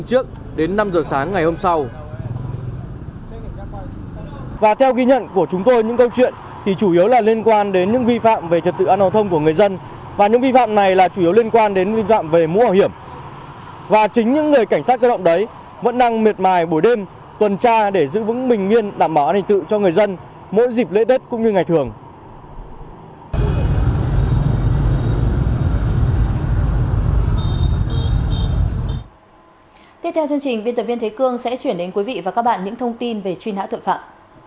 trong chương trình viên tập viên thế cương sẽ chuyển đến quý vị và các bạn những thông tin về truy nã tội phạm